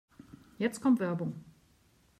Jetzt kommt Werbung.